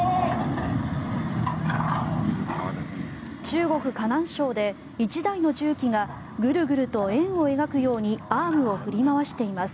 中国・河南省で１台の重機がグルグルと円を描くようにアームを振り回しています。